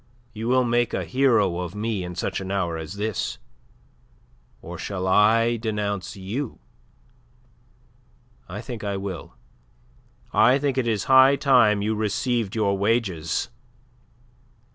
You will make a hero of me in such an hour as this. Or shall I denounce you? I think I will. I think it is high time you received your wages.